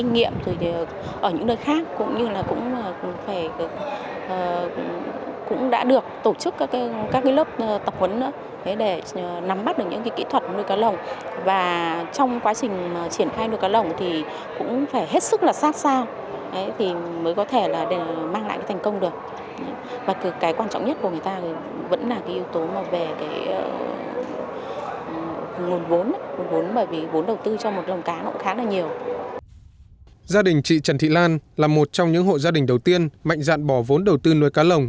gia đình chị trần thị lan là một trong những hộ gia đình đầu tiên mạnh dạn bỏ vốn đầu tư nuôi cá lồng